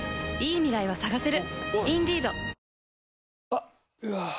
あっ、うわー。